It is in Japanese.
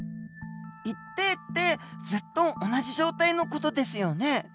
一定ってずっと同じ状態の事ですよね。